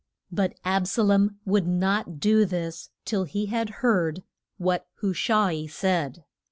But Ab sa lom would not do this till he had heard what Hu sha i said.